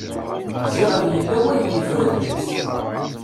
Ziɣen yella wayen yeffren deg-s.